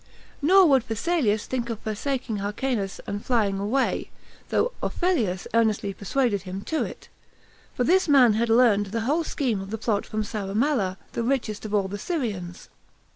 Nor would Phasaelus think of forsaking Hyrcanus and flying away, although Ophellius earnestly persuaded him to it; for this man had learned the whole scheme of the plot from Saramalla, the richest of all the Syrians.